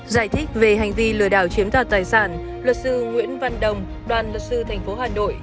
giải thích về hành vi lừa đảo chiếm tỏa tài sản luật sư nguyễn văn đồng đoàn luật sư thành phố hà nội